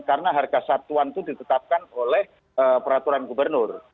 karena harga kesatuan itu ditetapkan oleh peraturan gubernur